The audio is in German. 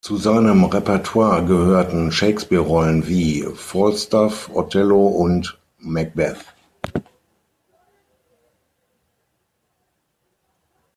Zu seinem Repertoire gehörten Shakespeare-Rollen wie "Falstaff", "Othello" und "Macbeth".